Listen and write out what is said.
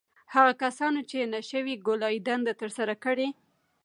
• هغه کسانو، چې نهشوی کولای دنده تر سره کړي.